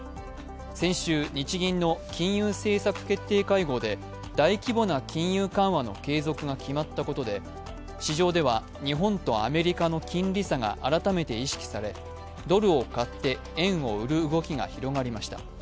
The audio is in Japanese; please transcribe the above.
先週、日銀の金融政策決定会合で大規模な金融緩和の継続が決まったことで市場では日本とアメリカの金利差が改めて意識されドルを買って、円を売る動きが広がりました。